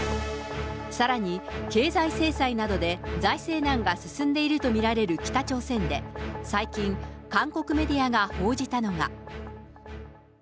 さらに、経済制裁などで財政難が進んでいると見られる北朝鮮で、最近、韓国メディアが報じたのが。